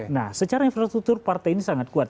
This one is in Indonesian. nah secara infrastruktur partai ini sangat kuat